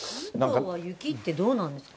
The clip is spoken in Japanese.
雪ってどうなんですか？